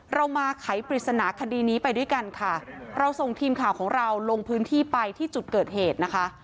เรามาไขปริศนาคดีนี้ไปด้วยกันค่ะเราส่งทีมข่าวของเราลงพื้นที่ไปที่จุดเกิดเหตุนะคะ